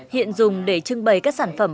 hiện dùng để trưng bày các sản phẩm